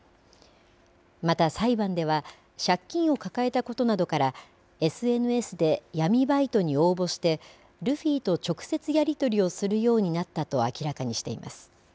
また、裁判では借金を抱えたことなどからＳＮＳで闇バイトに応募してルフィと直接やり取りをするようになったと明らかにしています。